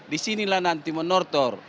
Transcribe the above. disinilah nanti menortor